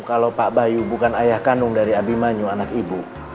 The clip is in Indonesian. kalau pak bayu bukan ayah kandung dari abimanyu anak ibu